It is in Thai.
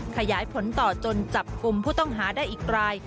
ขยายผลต่อจนจับกลุ่มผู้ต้องหาได้อีกราย